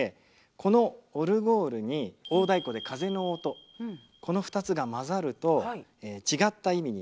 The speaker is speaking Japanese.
このオルゴールに大太鼓で風の音この２つが混ざると違った意味になります。